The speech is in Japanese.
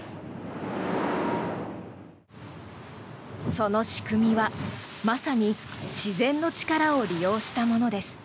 その仕組みは、まさに自然の力を利用したものです。